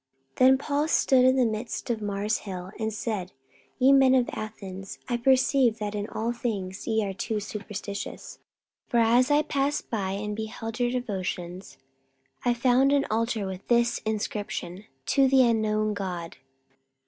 44:017:022 Then Paul stood in the midst of Mars' hill, and said, Ye men of Athens, I perceive that in all things ye are too superstitious. 44:017:023 For as I passed by, and beheld your devotions, I found an altar with this inscription, TO THE UNKNOWN GOD.